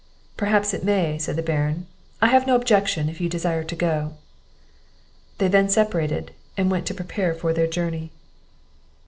"Perhaps it may," said the Baron; "I have no objection, if you desire to go." They then separated, and went to prepare for their journey.